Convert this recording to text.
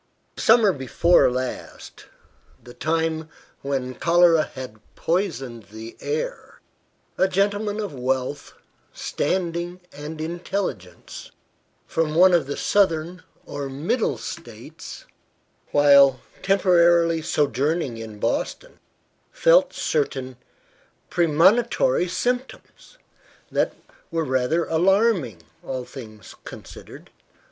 SUMMER before last, the time when cholera had poisoned the air, a gentleman of wealth, standing and intelligence, from one of the Southern or Middle States, while temporarily sojourning in Boston, felt certain "premonitory symptoms," that were rather alarming, all things considered.